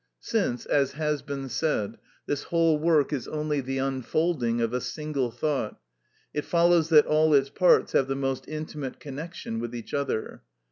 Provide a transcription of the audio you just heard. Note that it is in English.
Since, as has been said, this whole work is only the unfolding of a single thought, it follows that all its parts have the most intimate connection with each other.